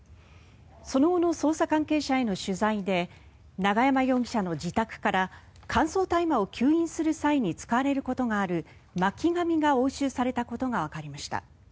その後の捜査関係者への取材で永山容疑者の自宅から乾燥大麻を吸引する際に使われることがある巻紙が押収されたことがわかりました。